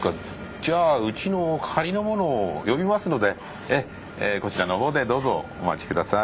じゃあうちの係の者を呼びますのでこちらのほうでどうぞお待ちください。